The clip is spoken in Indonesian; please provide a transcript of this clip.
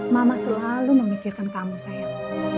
mama selalu memikirkan kamu sayang